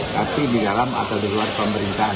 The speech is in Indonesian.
tapi di dalam atau di luar pemerintahan